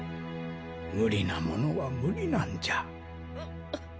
無理なものは無理なんじゃ。